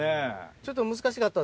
ちょっと難しかった。